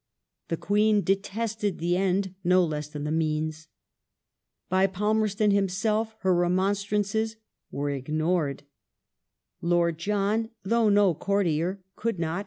The Queen detested the end no less than the means. By Palmerston himself her remonstrances were ignored : Lord John, though no courtier, could not and did 1 Ashley, i, 139.